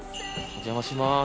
お邪魔します。